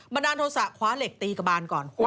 บรรดาโนสาขว้เหล็กตีกระบานก่อน